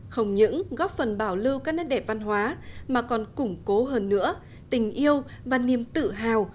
không những góp phần bảo lưu các nét đẹp văn hóa mà còn củng cố hơn nữa tình yêu và niềm tự hào